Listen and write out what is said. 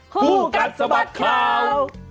คู่กัดสะบัดข่าว